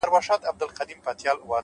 خپل ذهن د زده کړې لپاره پرانیزئ’